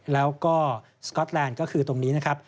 แล้วก็สก๊อตแลนด์ก็คือตรงนี้นะครับ